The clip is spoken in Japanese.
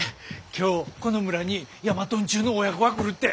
今日この村にヤマトンチュの親子が来るって。